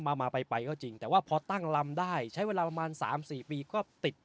มามาไปก็จริงแต่ว่าพอตั้งลำได้ใช้เวลาประมาณสามสี่ปีก็ติด